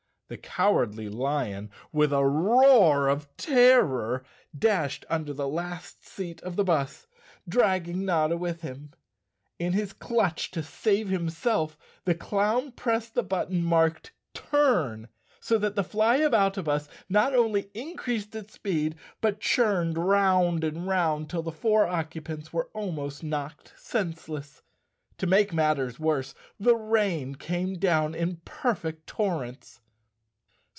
The Cowardly Lion, with a roar of terror, dashed under the last seat of the bus, dragging Notta with him. In his clutch to save himself the clown pressed the button marked "Turn," so that the Flyaboutabus not only in¬ creased its speed but churned 'round and 'round till the four occupants were almost knocked senseless. To make matters worse, the rain came down in perfect torrents.